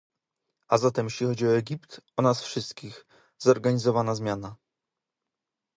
A zatem jeśli chodzi o Egipt, o nas wszystkich - zorganizowana zmiana